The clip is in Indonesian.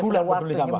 bulan peduli sampah